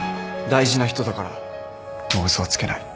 大事な人だからもう嘘はつけない。